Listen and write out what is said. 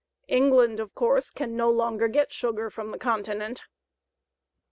England, of course, can no longer get sugar from the continent.